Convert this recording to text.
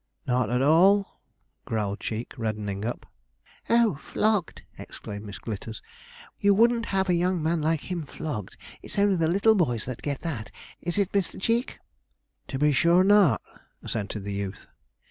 'Not at all,' growled Cheek, reddening up. 'Oh, flogged!' exclaimed Miss Glitters. 'You wouldn't have a young man like him flogged; it's only the little boys that get that is it, Mister Cheek?' 'To be sure not,' assented the youth.